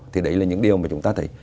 thì đấy là những điều mà chúng ta thấy